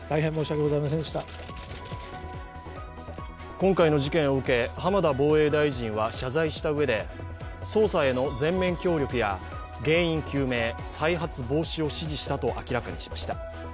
今回の事件を受け、浜田防衛大臣は謝罪したうえで捜査への全面協力や原因究明、再発防止を指示したと明らかにしました。